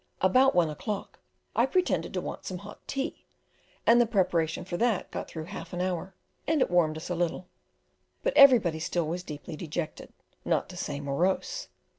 About one o'clock I pretended to want some hot tea, and the preparation for that got through half an hour, and it warmed us a little; but everybody still was deeply dejected, not to say morose.